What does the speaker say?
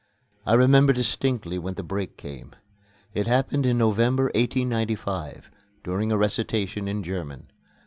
I remember distinctly when the break came. It happened in November, 1895, during a recitation in German.